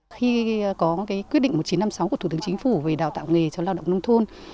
khi có quyết định một nghìn chín trăm năm mươi sáu của thủ tướng chính phủ về đào tạo nghề cho lao động nông thôn